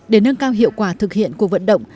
để nâng cao hiệu quả thực hiện cuộc vận động